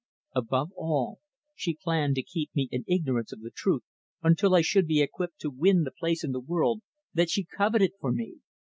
Above all, she planned to keep me in ignorance of the truth until I should be equipped to win the place in the world that she coveted for me.